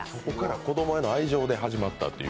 子供への愛情で始まったという。